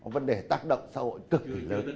vấn đề tác động xã hội cực kỳ lớn